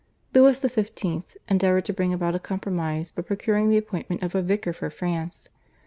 Louis XV. endeavoured to bring about a compromise by procuring the appointment of a vicar for France.